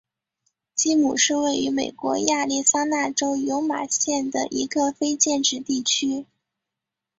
基姆是位于美国亚利桑那州尤马县的一个非建制地区。